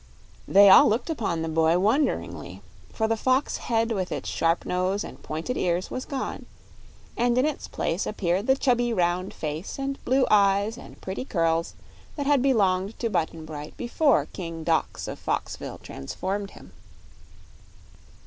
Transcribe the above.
They all looked upon the boy wonderingly, for the fox head with its sharp nose and pointed ears was gone, and in its place appeared the chubby round face and blue eyes and pretty curls that had belonged to Button Bright before King Dox of Foxville transformed him.